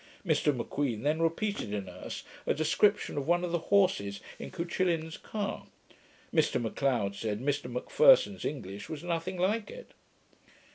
Mr M'Queen then repeated in Erse a description of one of the horses in Cuchillin's car. Mr M'Leod said, Mr M'Pherson's English was nothing like it.